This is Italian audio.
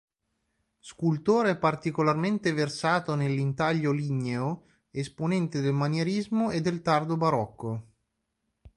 Scultore particolarmente versato nell'intaglio ligneo, esponente del manierismo e del tardo barocco.